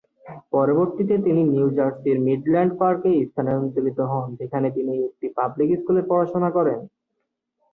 পরবর্তীতে তিনি নিউ জার্সির মিডল্যান্ড পার্কে স্থানান্তরিত হন, যেখানে তিনি একটি পাবলিক স্কুলে পড়াশুনা করেন।